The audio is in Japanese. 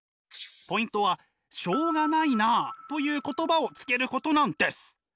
ポイントはしょうがないなあという言葉をつけることなんです！